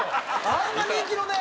あんな人気のね。